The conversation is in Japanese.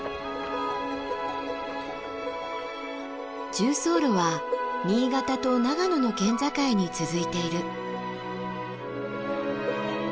縦走路は新潟と長野の県境に続いている。